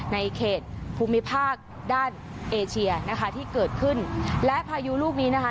ในเขตภูมิภาคด้านเอเชียนะคะที่เกิดขึ้นและพายุลูกนี้นะคะ